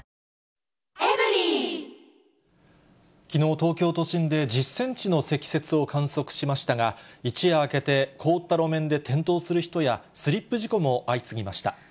きのう、東京都心で１０センチの積雪を観測しましたが、一夜明けて、凍った路面で転倒する人やスリップ事故も相次ぎました。